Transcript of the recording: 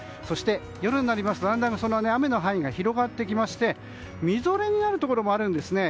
そして、夜になるとだんだん雨の範囲が広がってきましてみぞれになるところもあるんです。